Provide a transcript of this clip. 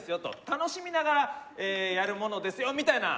楽しみながらやるものですよみたいな。